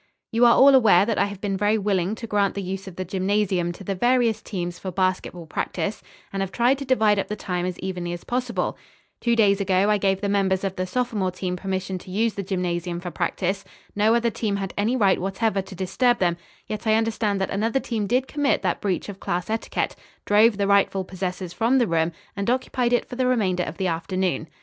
"You are all aware that I have been very willing to grant the use of the gymnasium to the various teams for basketball practice, and have tried to divide up the time as evenly as possible. Two days ago I gave the members of the sophomore team permission to use the gymnasium for practice. No other team had any right whatever to disturb them, yet I understand that another team did commit that breach of class etiquette, drove the rightful possessors from the room and occupied it for the remainder of the afternoon.